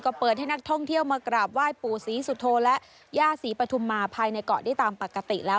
ก็เปิดให้นักท่องเที่ยวมากราบไหว้ปู่ศรีสุโธและย่าศรีปฐุมมาภายในเกาะได้ตามปกติแล้ว